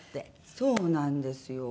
そうなんですよ。